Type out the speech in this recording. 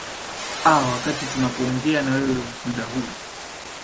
aa wakati tunapoongea na wewe muda huu